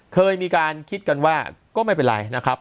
เคยมีการคิดกันว่าก็ไม่เป็นไรนะครับ